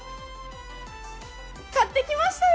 買ってきましたよ。